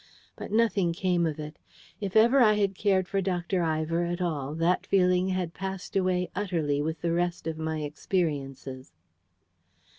But nothing came of it. If ever I had cared for Dr. Ivor at all, that feeling had passed away utterly with the rest of my experiences.